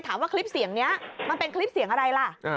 ว่าคลิปเสียงนี้มันเป็นคลิปเสียงอะไรล่ะ